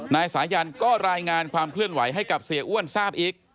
นายสายันก็รายงานความเคลื่อนไหวให้กับเสียอ้วนทราบอีก